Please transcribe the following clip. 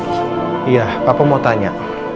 iya papa mau tanya